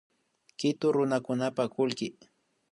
Kitu runakunapa kullki